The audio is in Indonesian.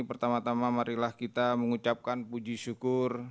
pertama tama marilah kita mengucapkan puji syukur